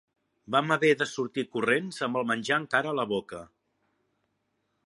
Vam haver de sortir corrents amb el menjar encara a la boca.